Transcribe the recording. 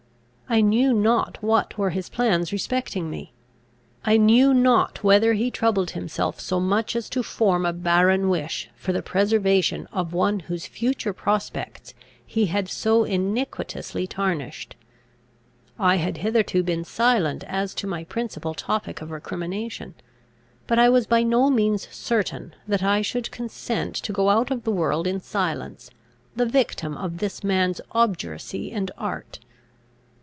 I knew not what were his plans respecting me. I knew not whether he troubled himself so much as to form a barren wish for the preservation of one whose future prospects he had so iniquitously tarnished. I had hitherto been silent as to my principal topic of recrimination. But I was by no means certain, that I should consent to go out of the world in silence, the victim of this man's obduracy and art.